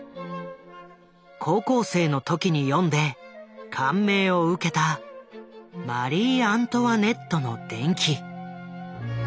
高校生の時に読んで感銘を受けたマリー・アントワネットの伝記。